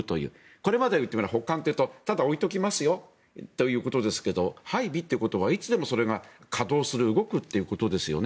これまで、保管というとただ置いておきますよということですが配備ということはいつでもそれが稼働する動くということですよね。